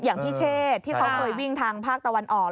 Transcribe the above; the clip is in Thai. อย่างพิเชษที่เขาเคยวิ่งทางภาคตะวันออก